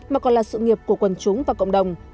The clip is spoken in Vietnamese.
mà còn là sự nghiệp của quần chúng và cộng đồng